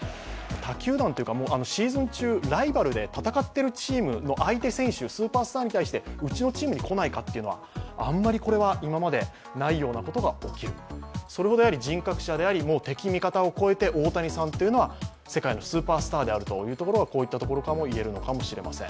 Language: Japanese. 他球団というか、シーズン中、ライバルで戦っているチームの相手選手、スーパースターに対して、うちのチームに来ないかというのは、あんまり今までないようなことが起きる、それほどやはり人格者であり敵味方を超えて大谷さんというのは世界のスーパースターであるということが、こういったところからもいえるのかもしれません。